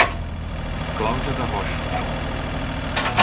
Cláudia da Rocha